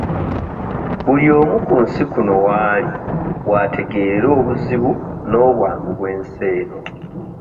Buli omu ku nsi kuno w'ali w'ategeerera obuzibu n'obwangu bw'ensi eno.